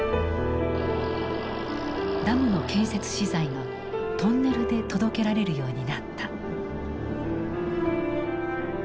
ダムの建設資材がトンネルで届けられるようになった。